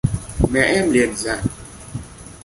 mẹ em liền dặn